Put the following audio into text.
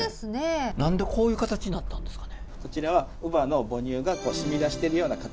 何でこういう形になったんですかね。